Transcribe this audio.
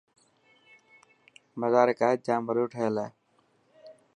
مزار قائد جام وڏو ٺهيل هي.